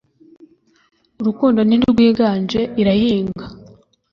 “urukundo ntirwiganje; irahinga. ”